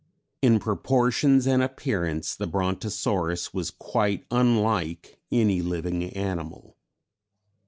"In proportions and appearance the Brontosaurus was quite unlike any living animal.